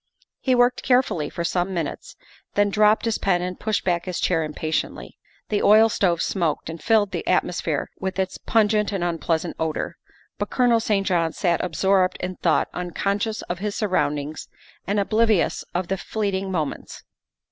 He worked carefully for some minutes, then dropped his pen and pushed back his chair impatiently. The oil stove smoked and filled the atmosphere with its pun gent and unpleasant odor, but Colonel St. John sat absorbed in thought, unconscious of his surroundings and oblivious of the fleeting moments.